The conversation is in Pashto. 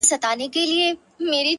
ستا هره گيله مي لا په ياد کي ده ـ